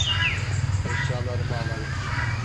Eşyalarımı alayım.